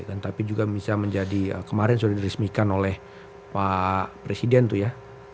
kan tapi juga bisa menjadi kemarin sudah diresmikan oleh pak presiden tuh ya